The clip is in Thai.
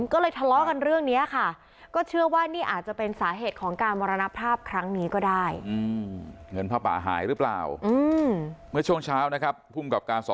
ก็เลยทะเลาะกันเรื่องนี้ค่ะ